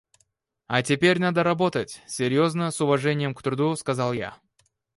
— А теперь надо работать, — серьезно, с уважением к труду, сказал я.